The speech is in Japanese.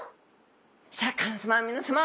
シャーク香音さま皆さま